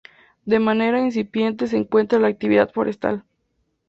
De manera incipiente se encuentra la actividad forestal.